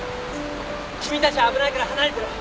君たちは危ないから離れてろ！